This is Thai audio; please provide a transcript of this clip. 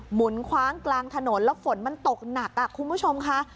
หุนคว้างกลางถนนแล้วฝนมันตกหนักคุณผู้ชมค่ะ